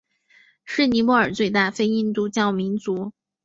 是尼泊尔的最大非印度教民族。